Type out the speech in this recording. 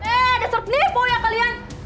eh dasar penipu ya kalian